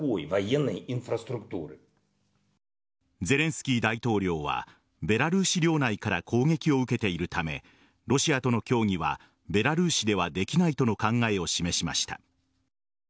ゼレンスキー大統領はベラルーシ領内から攻撃を受けているためロシアとの協議はベラルーシではできないとの考えを示しました。